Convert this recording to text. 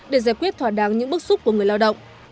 để giải quyết thỏa đáng những bức xúc của người lao động